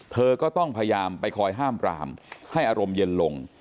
เธอก็ต้องพยายามไปคอยห้ามปรามให้อารมณ์เย็นลง